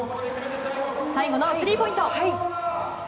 最後のスリーポイント。